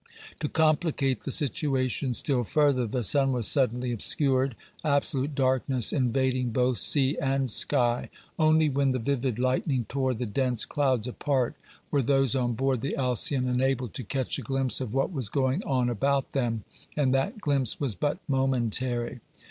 To complicate the situation still further, the sun was suddenly obscured, absolute darkness invading both sea and sky. Only when the vivid lightning tore the dense clouds apart were those on board the Alcyon enabled to catch a glimpse of what was going on about them, and that glimpse was but momentary.